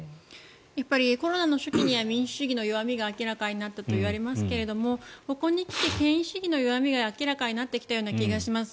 やっぱりコロナの初期には民主主義の弱みが明らかになったといわれますがここに来て権威主義の弱みが明らかになってきたような気がします。